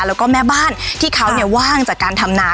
แล้วก็แม่บ้านที่เขาว่างจากการทำนา